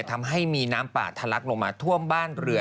ทำให้มีน้ำป่าทะลักลงมาท่วมบ้านเรือ